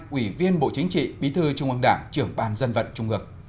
quỷ viên bộ chính trị bí thư trung ương đảng trưởng ban dân vận trung ước